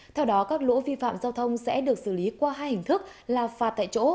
theo đó các lỗi vi phạm giao thông sẽ được xử lý qua hai hình thức là phạt tại chỗ